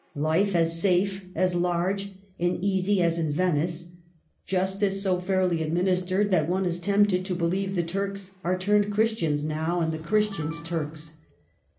Life as safe, as large and easy as in Venice. Justice so fairly adminis tered that one is tempted to believe the Turks are turned Christians now, and the Christians Turks."